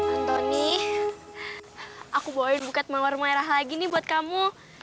antoni aku bawain buket mawar merah lagi nih buat kamu